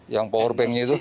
yang powerbanknya itu